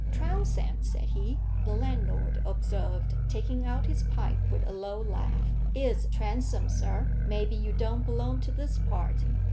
"Trounsem, said he," the landlord observed, taking out his pipe with a low laugh. "It's Transome, sir. Maybe you don't belong to this part.